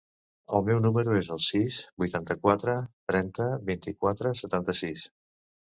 El meu número es el sis, vuitanta-quatre, trenta, vint-i-quatre, setanta-sis.